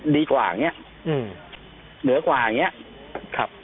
ดีกว่าอย่างนี้เหนือกว่าอย่างนี้ครับ